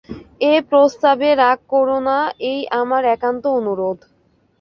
এ প্রস্তাবে রাগ কোরো না এই আমার একান্ত অনুরোধ।